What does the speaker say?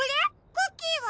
クッキーは？